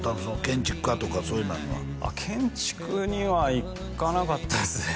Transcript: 建築家とかそういうなんには建築にはいかなかったですね